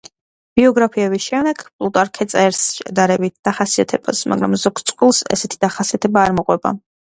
ბიოგრაფიების შემდეგ პლუტარქე წერს შედარებით დახასიათებას, მაგრამ ზოგ წყვილს ესეთი დახასიათება არ მოყვება.